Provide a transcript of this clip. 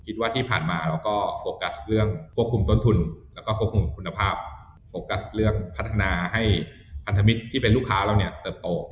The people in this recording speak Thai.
ที่ผ่านมาเราก็โฟกัสเรื่องควบคุมต้นทุนแล้วก็ควบคุมคุณภาพโฟกัสเรื่องพัฒนาให้พันธมิตรที่เป็นลูกค้าเราเนี่ยเติบโต